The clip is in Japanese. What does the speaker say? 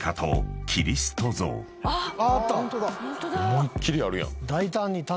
思いっ切りあるやん。